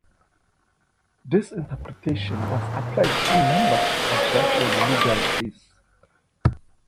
This interpretation was applied in a number of Russian legal cases.